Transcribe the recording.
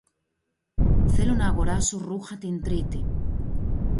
Θέλω να αγοράσω ρούχα την Τρίτη.